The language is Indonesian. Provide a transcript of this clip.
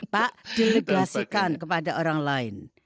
pak delegasikan kepada orang lain